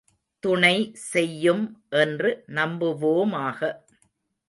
துணை செய்யும் என்று நம்புவோமாக.